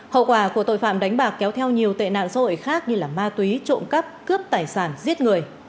hậu quả của tội phạm đánh bạc kéo theo nhiều tệ nạn xã hội khác như ma túy trộm cắp cướp tài sản giết người